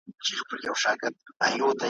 کله کله به هوا ته هم ختلې ,